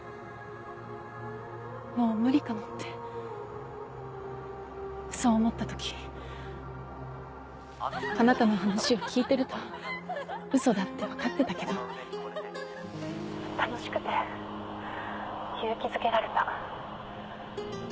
もう無理かもってそう思った時あなたの話を聞いてるとウソだって分かってたけど楽しくて勇気づけられた。